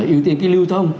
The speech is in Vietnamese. ưu tiên cái lưu thông